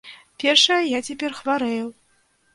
Першае, я цяпер хварэю.